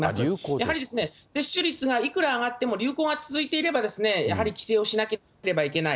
やはり接種率がいくら上がっても、流行が続いていればやはり規制をしなければいけない。